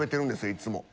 いつも。